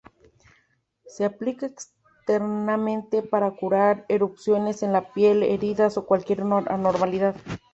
Se aplica externamente para curar erupciones en la piel, heridas o cualquier anormalidad.